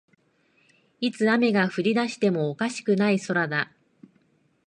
いつ雨が降りだしてもおかしくない空だ